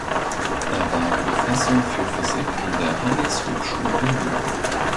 Er war Professor für Physik an der Handelshochschule Berlin.